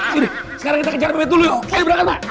sekarang kita kejar memet dulu yuk ayo berangkat bang